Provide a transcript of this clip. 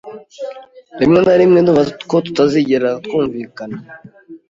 Rimwe na rimwe ndumva ko tutazigera twumvikana.